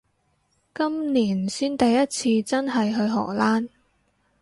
今年先第一次真係去荷蘭